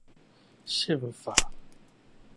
憲法